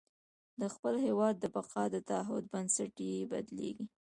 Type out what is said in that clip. د خپل هېواد د بقا د تعهد بنسټ یې بدلېږي.